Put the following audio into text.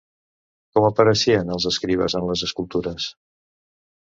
Com apareixien els escribes en les escultures?